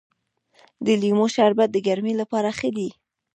د لیمو شربت د ګرمۍ لپاره ښه دی.